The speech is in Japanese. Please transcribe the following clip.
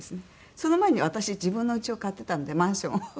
その前に私自分のお家を買ってたんでマンションを。